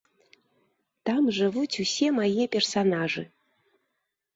Там жывуць усе мае персанажы.